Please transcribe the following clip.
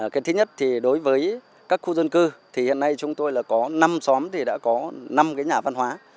cái thứ nhất thì đối với các khu dân cư thì hiện nay chúng tôi là có năm xóm thì đã có năm cái nhà văn hóa